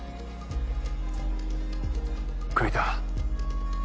栗田。